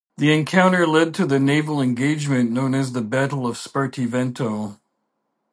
The encounter led to the naval engagement known as Battle of Spartivento.